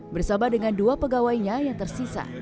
bersama dengan dua pegawainya yang tersisa